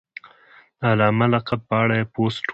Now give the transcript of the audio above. د علامه لقب په اړه یې پوسټ و.